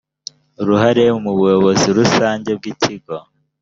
uruhare mu buyobozi rusange bw ikigo